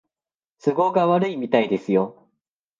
都合が悪いみたいですよ